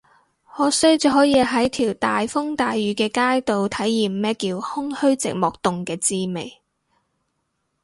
可惜只可以喺條大風大雨嘅街度體驗咩叫空虛寂寞凍嘅滋味